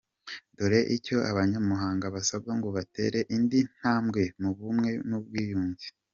Dore icyo Abanyamuhanga basabwa ngo batera indi ntambwe mu bumwe n’ubwiyunge